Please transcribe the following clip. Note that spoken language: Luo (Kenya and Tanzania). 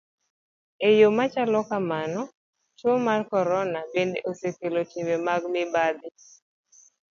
E yo machalo kamano, tuo mar corona bende osekelo timbe mag mibadhi.